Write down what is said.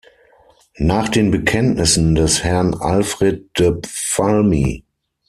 Nach den Bekenntnissen des Herrn Alfred de Valmy.